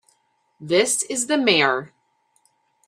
This is the Mayor.